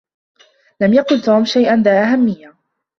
لم يقل توم شيئا ذا أهمية.